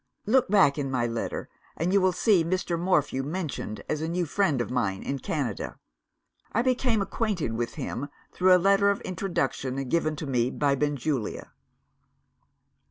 "Look back in my letter, and you will see Mr. Morphew mentioned as a new friend of mine, in Canada. I became acquainted with him through a letter of introduction, given to me by Benjulia.